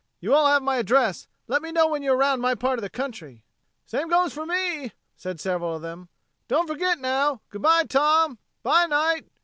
"You all have my address. Let me know when you're around my part of the country." "Same goes for me," said several of them. "Don't forget, now. Good by, Tom. 'By, Knight.